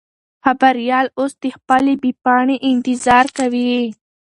خبریال اوس د خپلې بې پاڼې انتظار کوي.